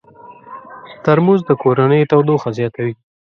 ترموز د کورنۍ تودوخه زیاتوي.